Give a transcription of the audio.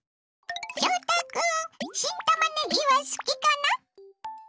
翔太君新たまねぎは好きかな？